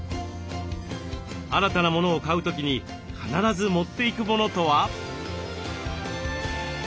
新たな物を買う時に必ず持っていく物とは？